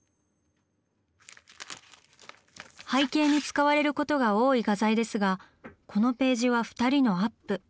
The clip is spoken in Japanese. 背景に使われることが多い画材ですがこのページは２人のアップ。